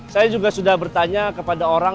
saya juga sudah bertanya kepada orang